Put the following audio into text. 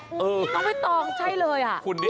น้องไอ้ตองใช่เลย